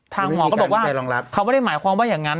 หมอก็บอกว่าเขาไม่ได้หมายความว่าอย่างนั้น